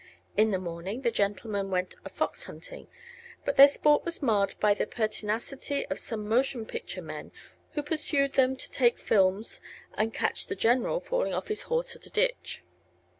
In the Morning the Gentlemenn went a Fox hunting, but their Sport was marred by the Pertinacity of some Motion Picture menn who persewd them to take Fillums and catchd the General falling off his Horse at a Ditch.